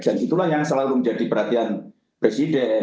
dan itulah yang selalu menjadi perhatian presiden